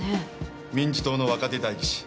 民自党の若手代議士。